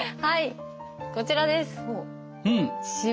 はいこちらです。